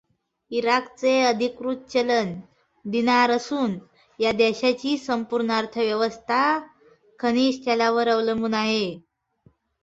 इराकचे अधिकृत चलन दिनार असून या देशाची संपूर्ण अर्थव्यवस्था खनिज तेलावर अवलंबून आहे.